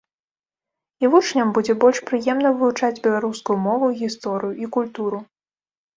І вучням будзе больш прыемна вывучаць беларускую мову і гісторыю, і культуру.